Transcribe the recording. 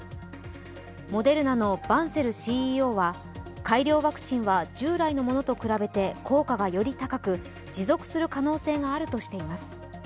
モデルナのバンセルＣＥＯは改良ワクチンは従来のものと比べて効果がより高く持続する可能性があるとしています。